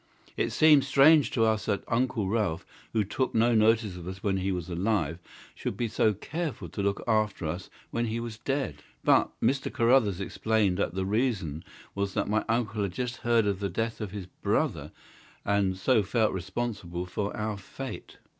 It seemed strange to us that Uncle Ralph, who took no notice of us when he was alive, should be so careful to look after us when he was dead; but Mr. Carruthers explained that the reason was that my uncle had just heard of the death of his brother, and so felt responsible for our fate."